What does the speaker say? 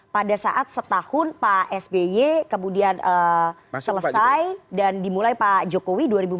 pada saat setahun pak sby kemudian selesai dan dimulai pak jokowi dua ribu dua puluh